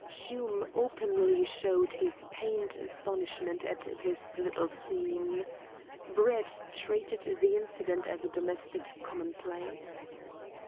Hume openly showed his pained astonishment at this little scene. Brett treated the incident as a domestic commonplace.